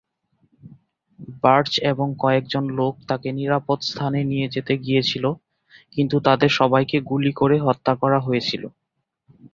Birch এবং কয়েকজন লোক তাকে নিরাপদ স্থানে নিয়ে যেতে গিয়েছিল কিন্তু তাদের সবাইকে গুলি করে হত্যা করা হয়েছিল।